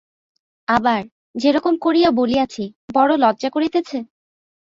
আবার, যে রকম করিয়া বলিয়াছি, বড় লজ্জা করিতেছে?